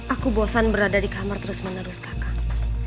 aku bosan berada di kamar terus menerus kakak